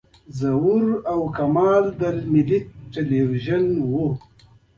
ظهور کمال له ملي تلویزیون و.